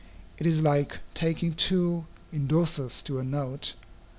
It is like taking two indorsers to a note.